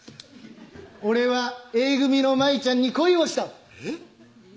「俺はＡ組の舞ちゃんに恋をした」えっ？